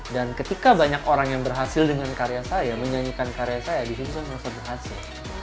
dan ketika banyak orang yang berhasil dengan karya saya menyanyikan karya saya disitu saya harus berhasil